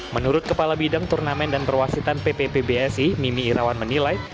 menurut kepala bidang turnamen dan perwasitan ppp bsi mimi irawan menilai